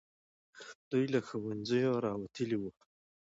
دوی له ښوونځیو راوتلي وو.